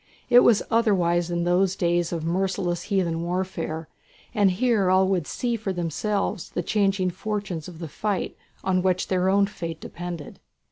It was otherwise in those days of merciless heathen warfare, and here all would see for themselves the changing fortunes of the fight on which their own fate depended.